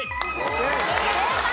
正解。